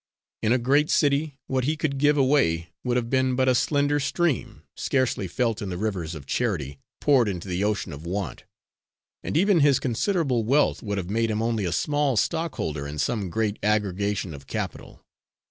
In a great city, what he could give away would have been but a slender stream, scarcely felt in the rivers of charity poured into the ocean of want; and even his considerable wealth would have made him only a small stockholder in some great aggregation of capital.